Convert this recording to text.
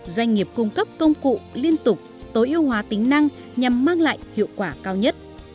doanh nghiệp cung cấp công cụ liên tục tối ưu hóa tính năng nhằm mang lại hiệu quả cao nhất